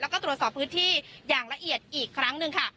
แล้วก็ตรวจสอบพื้นที่อย่างละเอียดอีกครั้งหนึ่งค่ะ